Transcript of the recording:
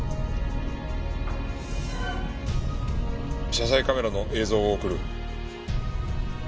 車載カメラの映像を送る。